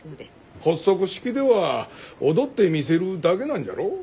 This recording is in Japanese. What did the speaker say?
発足式では踊ってみせるだけなんじゃろう？